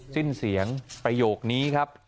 สิ้นเสียงประโยคนี้ครับ